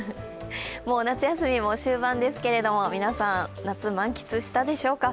もう夏休みも終盤ですけれども、皆さん、夏満喫したでしょうか。